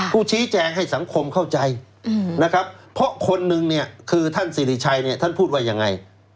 ผู้ชี้แจงให้สังคมเข้าใจนะครับเพราะคนนึงเนี่ยคือท่านสิริชัยเนี่ยท่านพูดว่ายังไง